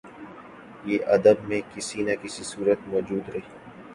یہ ادب میں کسی نہ کسی صورت موجود رہی